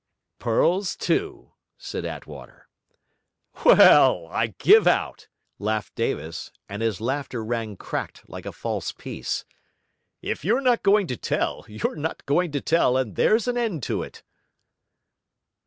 'Pearls, too,' said Attwater. 'Well, I give out!' laughed Davis, and his laughter rang cracked like a false piece. 'If you're not going to tell, you're not going to tell, and there's an end to it.'